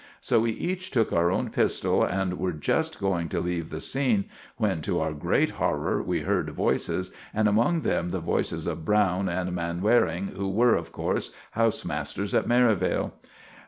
So we each took our own pistell, and were just going to leave the scene, when, to our grate horror, we herd voices, and among them the voices of Browne and Mainwaring, who were, of corse, house masters at Merivale.